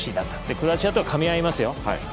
クロアチアとはかみ合いますよ。